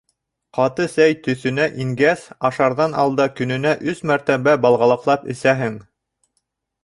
— Ҡаты сәй төҫөнә ингәс, ашарҙан алда көнөнә өс мәртәбә балғалаҡлап эсәһең.